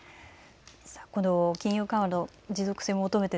この金融緩和の持続性を求めて